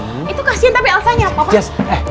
itu kasian tapi elsa nya apa